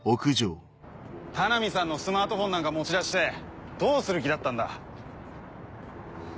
田波さんのスマートフォンなんか持ち出してどうする気だったんだ？